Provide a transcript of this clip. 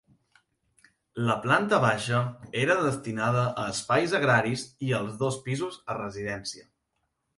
La planta baixa era destinada a espais agraris i els dos pisos a residència.